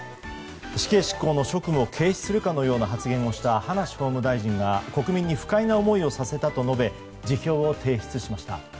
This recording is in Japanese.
死刑執行の職務を軽視するかのような発言をした葉梨法務大臣が国民に不快な思いをさせたと述べ辞表を提出しました。